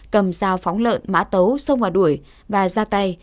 cầm dao phóng lợn mã tấu xông vào đuổi và ra tay